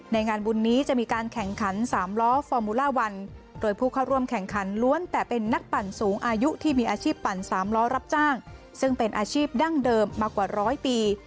งานบุญนี้จะมีการแข่งขันสามล้อฟอร์มูล่าวันโดยผู้เข้าร่วมแข่งขันล้วนแต่เป็นนักปั่นสูงอายุที่มีอาชีพปั่นสามล้อรับจ้างซึ่งเป็นอาชีพดั้งเดิมมากว่าร้อยปี